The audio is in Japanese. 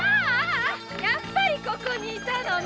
やはりここに居たのね。